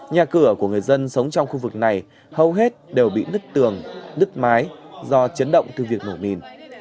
nhà cửa của người dân sống trong khu vực này hầu hết đều bị nứt tường nứt mái do chấn động từ việc nổ mìn